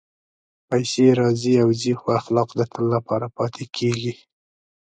پېسې راځي او ځي، خو اخلاق د تل لپاره پاتې کېږي.